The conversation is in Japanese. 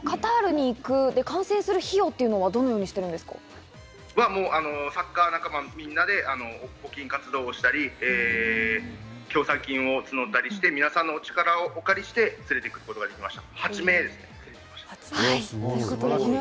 カタールに行く観戦する費用はどのようにサッカー仲間みんなで募金活動をしたり、協賛金を募ったりして皆さんのお力をお借りして、連れてくることができました。